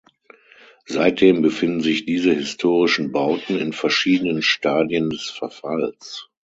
Seitdem befinden sich diese historischen Bauten in verschiedenen Stadien des Verfalls.